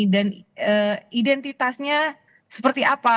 dan identitasnya seperti apa